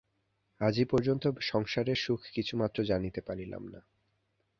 আজি পর্যন্ত সংসারের সুখ কিছুমাত্র জানিতে পারিলাম না।